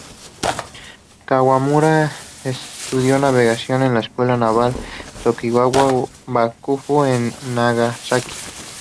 Kawamura estudió navegación en la escuela naval Tokugawa bakufu en Nagasaki.